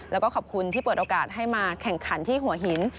แล้วก็ขอบคุณที่เปิดโอกาสให้มาแข่งขันที่หัวหิน